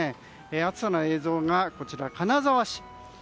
暑さの映像がこちら、金沢市。